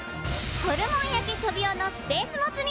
ホルモン焼きトビオのスペースモツ煮！